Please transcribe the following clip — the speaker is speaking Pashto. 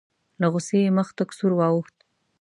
له غوسې یې مخ تک سور واوښت.